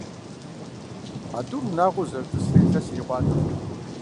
А тӀур унагъуэу зэрытӀысрэ илъэс ирикъуатэкъым.